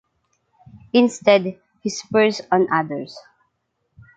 Instead he spurs on others.